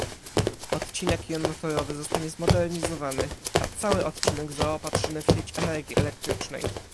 Odcinek jednotorowy zostanie zmodernizowany, a cały odcinek zaopatrzony w sieć energii elektrycznej